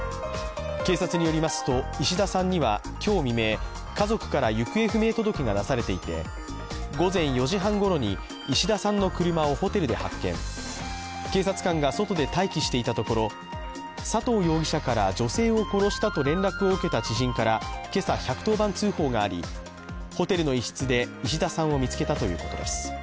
警察によりますと石田さんには今日未明、家族から行方不明届が出されていて、午前４時半ごろに石田さんの車をホテルで発見、警察官が外で待機していたところ、佐藤容疑者から女性を殺したと連絡を受けた知人から今朝１１０番通報があり、ホテルの一室で石田さんを見つけたということです。